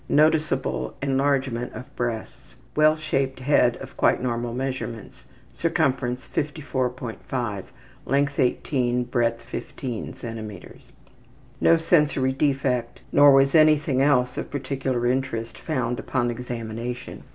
Noticeable enlargement of breasts. Well shaped head of quite normal measurements; circumference 54.5, length 18, breadth 15 cm. No sensory defect, nor was anything else of particular interest found upon examination.